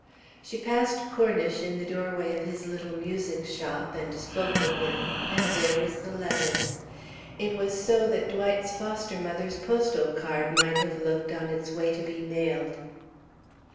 She passed Cornish in the doorway of his little music shop, and spoke with him; and there was the letter. It was so that Dwight's foster mother's postal card might have looked on its way to be mailed.